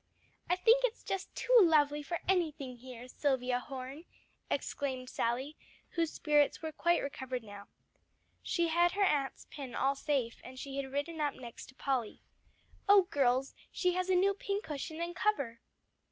"I think it's just too lovely for anything here, Silvia Horne," exclaimed Sally, whose spirits were quite recovered now. She had her aunt's pin all safe, and she had ridden up next to Polly. "Oh girls, she has a new pincushion and cover."